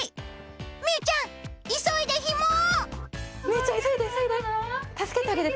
みうちゃん急いでひもを！